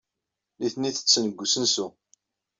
Nitni ttetten deg usensu.